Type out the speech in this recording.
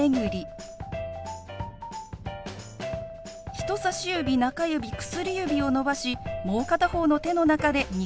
人さし指中指薬指を伸ばしもう片方の手の中で２回動かします。